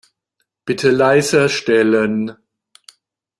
Bitte leiser stellen.